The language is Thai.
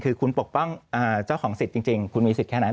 คือคุณปกป้องเจ้าของสิทธิ์จริงคุณมีสิทธิ์แค่นั้น